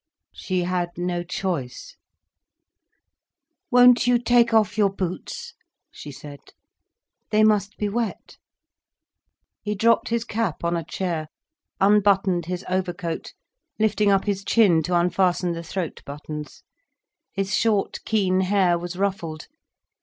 She had no choice. "Won't you take off your boots," she said. "They must be wet." He dropped his cap on a chair, unbuttoned his overcoat, lifting up his chin to unfasten the throat buttons. His short, keen hair was ruffled.